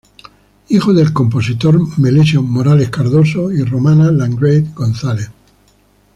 Hijo de del compositor Melesio Morales Cardoso y "Romana Landgrave González".